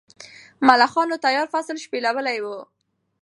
ملخانو تیار فصل شپېلولی و.